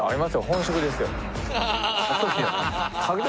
本職ですよ。